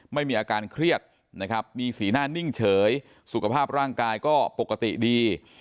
ไม่มีอาการเครียดนะครับมีสีหน้านิ่งเฉยสุขภาพร่างกายก็ปกติดี